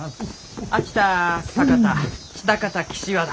秋田酒田喜多方岸和田。